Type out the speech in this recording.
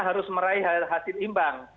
harus meraih hasil imbang